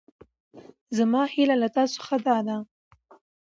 زما هېله له تاسو څخه دا ده.